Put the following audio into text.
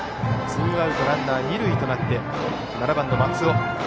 ツーアウトランナー、二塁となって７番の松尾。